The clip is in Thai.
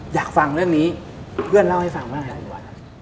อยากฟังเรื่องนี้เพื่อนเล่าให้ฟังบ้างอะไรดีกว่าครับ